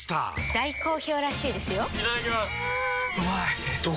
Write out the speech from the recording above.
大好評らしいですよんうまい！